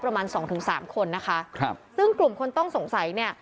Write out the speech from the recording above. ประมาณสองถึงสามคนนะคะครับซึ่งกลุ่มคนต้องสงสัยเนี่ย